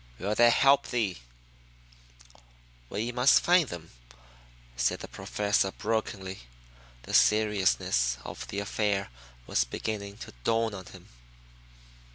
Will that help thee?" "We must find them," said the Professor brokenly. The seriousness of the affair was beginning to dawn on him.